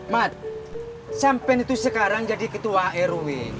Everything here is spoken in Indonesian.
mat sampai sekarang jadi ketua arw